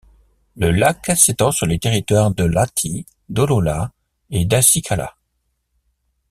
Le lac s'étend sur les territoires de Lahti, d'Hollola et d'Asikkala.